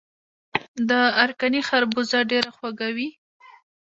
د ارکاني خربوزه ډیره خوږه وي.